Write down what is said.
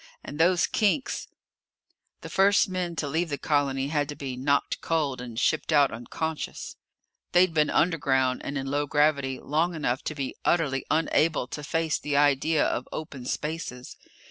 And those kinks The first men to leave the colony had to be knocked cold and shipped out unconscious. They'd been underground and in low gravity long enough to be utterly unable to face the idea of open spaces.